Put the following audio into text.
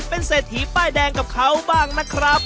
เป็นเศรษฐีป้ายแดงกับเขาบ้างนะครับ